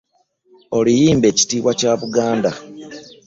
Oluyimba ekitiibwa kya Buganda.